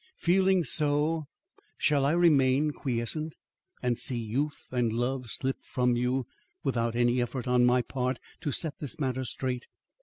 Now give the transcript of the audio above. Feeling so, shall I remain quiescent and see youth and love slip from you, without any effort on my part to set this matter straight?